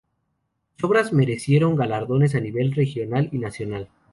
Sus obras merecieron galardones a nivel regional y nacional.